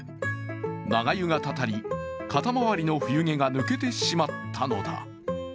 長湯がたたり、肩周りの冬毛が抜けてしまったのだ。